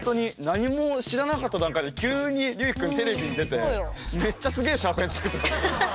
何も知らなかった段階で急にりゅうきくんテレビに出てめっちゃすげぇシャーペン作ってたみたいな。